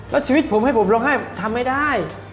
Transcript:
แล้วชีวิตผมให้ผมร้องไห้ทำไม่ได้